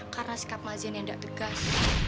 karena sikap mazen yang gak tegas